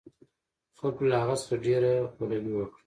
خلکو له هغه څخه ډېره پلوي وکړه.